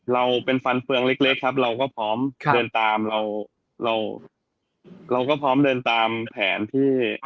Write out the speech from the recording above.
เราเป็นฟันเฟืองเล็กครับเราก็พร้อมเดินตามแผนที่